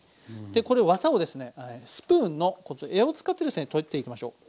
でこれワタをですねスプーンの柄を使ってですね取っていきましょう。